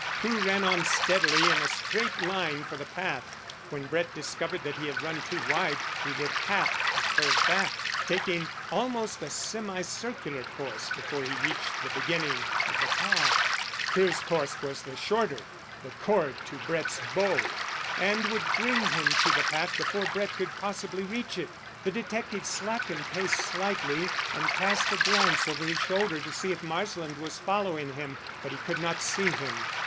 Crewe ran on steadily in a straight line for the path. When Brett discovered that he had run too wide he would have to curve back, taking almost a semicircular course before he reached the beginning of the path. Crewe's course was the shorter the cord to Brett's bow, and would bring him to the path before Brett could possibly reach it. The detective slackened pace slightly, and cast a glance over his shoulder to see if Marsland was following him; but he could not see him.